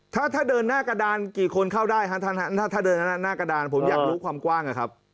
ถ้าถ้าเดินหน้ากระดานกี่คนเข้าได้ฮะท่านถ้าเดินหน้ากระดานผมอยากรู้ความกว้างนะครับ